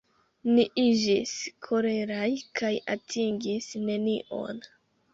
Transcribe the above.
Ni iĝis koleraj kaj atingis nenion.